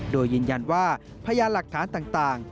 โดยยืนยันว่าพยานหลักฐานต่าง